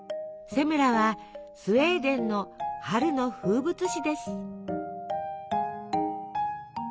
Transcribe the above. セムラはスウェーデンの春の風物詩です。